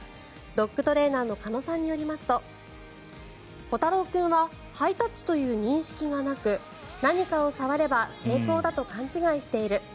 ドッグトレーナーの鹿野さんによりますと虎太朗君はハイタッチという認識がなく何かを触れば成功だと勘違いしている。